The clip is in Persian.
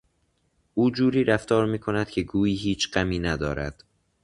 او جوری رفتار میکند که گویی هیچ غمی ندارد.